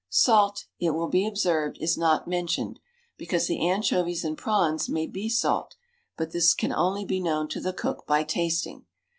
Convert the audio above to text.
Salt, it will be observed, is not mentioned, because the anchovies and prawns may be salt, but this can only be known to the cook by tasting.